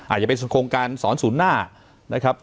อาจจะเป็นโครงการสอนศูนย์หน้านะครับ